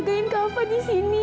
maka satu constant